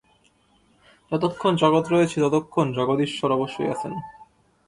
যতক্ষণ জগৎ রয়েছে, ততক্ষণ জগদীশ্বর অবশ্যই আছেন।